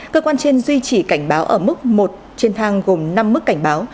cơ quan trên duy trì cảnh báo ở mức một trên thang gồm năm mức cảnh báo